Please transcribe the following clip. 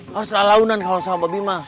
haruslah launan kalau sama babi mah